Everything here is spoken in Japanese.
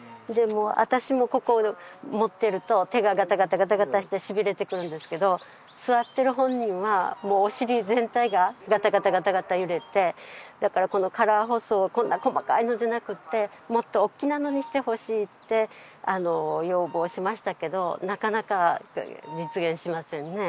私もここを持ってると手がガタガタガタガタしてしびれてくるんですけど座ってる本人はお尻全体がガタガタガタガタ揺れてだからカラー舗装こんな細かいのじゃなくてもっと大きなものにしてほしいって要望しましたけどなかなか実現しませんね